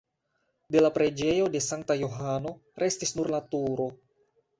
De la preĝejo de Sankta Johano restis nur la turo.